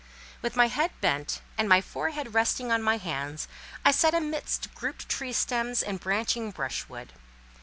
With my head bent, and my forehead resting on my hands, I sat amidst grouped tree stems and branching brushwood.